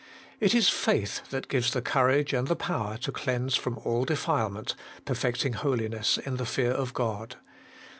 It is faith that gives the courage and the power to cleanse from all defilement, perfecting holiness in the fear of God.